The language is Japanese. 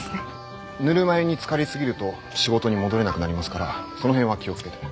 ぬるま湯につかり過ぎると仕事に戻れなくなりますからその辺は気を付けて。